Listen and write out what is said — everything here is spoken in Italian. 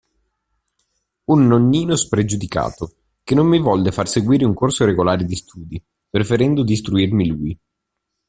Un nonnino spregiudicato, che non mi volle far seguire un corso regolare di studi, preferendo d'istruirmi lui.